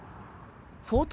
フォート